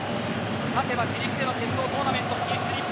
勝てば自力での決勝トーナメント進出日本。